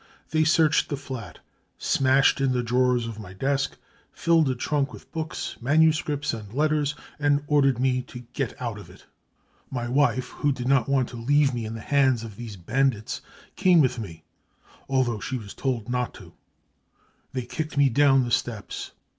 u They searched the flat, smashed in the drawers of my desk, filled a trunk with books, manuscripts and letters, and ordered me to 4 Get out of it !' My wife, who did not want to leave me in the hands of these bandits, came with me, although she was not told to. ... They kicked me down the steps.